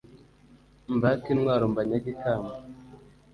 mbake intwaro mbanyage ikamba